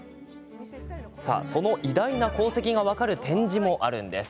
その偉大な功績が分かる展示もあるんです。